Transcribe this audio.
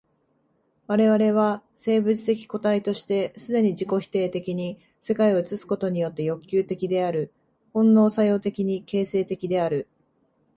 我々は生物的個体として既に自己否定的に世界を映すことによって欲求的である、本能作用的に形成的である。